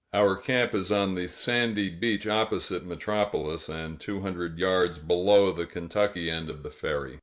Our camp is on the sandy beach opposite Metropolis, and two hundred yards below the Kentucky end of the ferry.